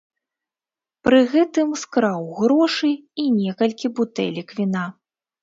Пры гэтым скраў грошы і некалькі бутэлек віна.